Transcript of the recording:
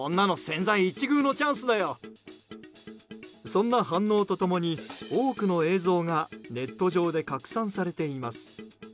そんな反応と共に多くの映像がネット上で拡散されています。